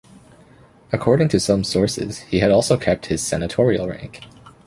According to some sources, he had also kept his senatorial rank.